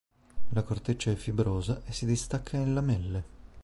La corteccia è fibrosa e si distacca in lamelle.